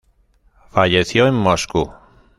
Falleció en Moscú.